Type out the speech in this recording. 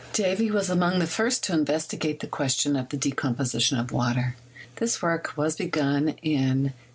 Davy was among the first to investigate the question of the decomposition of water. This work was begun in 1800.